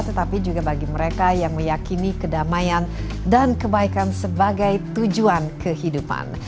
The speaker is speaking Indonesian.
tetapi juga bagi mereka yang meyakini kedamaian dan kebaikan sebagai tujuan kehidupan